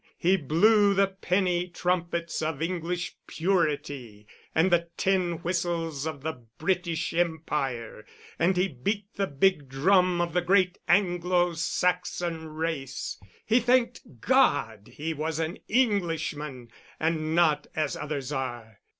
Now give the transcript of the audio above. He blew the penny trumpets of English purity, and the tin whistles of the British Empire, and he beat the big drum of the Great Anglo Saxon Race. He thanked God he was an Englishman, and not as others are.